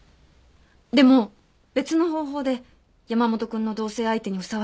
でも別の方法で山本君の同棲相手にふさわしいと証明したいんです。